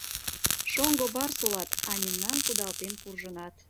— Шоҥго барс улат, а мемнам кудалтен куржынат.